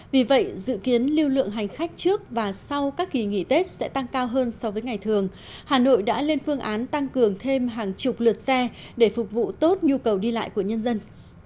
vì vậy dự kiến lưu lượng hành khách trước và sau các kỳ nghỉ tết sẽ tăng cao hơn so với ngày thường hà nội đã lên phương án tăng cường thêm hàng chục lượt xe để phục vụ tốt nhu cầu đi lại của nhân dân